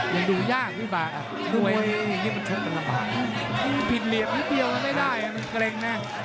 ยังดูยากนิดหนึ่งมันชุดกันลำบากผิดเหลี่ยมนิดเดียวไม่ได้มันเกร็งน่ะ